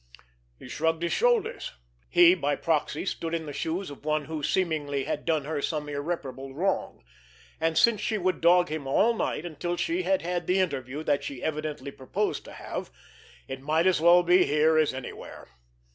He shrugged his shoulders. He, by proxy, stood in the shoes of one who, seemingly, had done her some irreparable wrong, and since she would dog him all night until she had had the interview that she evidently proposed to have, it might as well be here as anywhere.